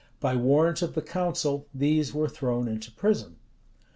By warrant of the council, these were thrown into prison.